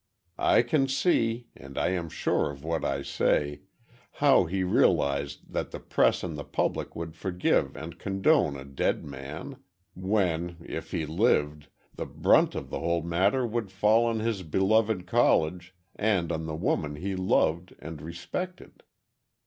"I can see—and I am sure of what I say—how he realized that the press and the public would forgive and condone a dead man, when, if he lived, the brunt of the whole matter would fall on his beloved College and on the woman he loved and respected.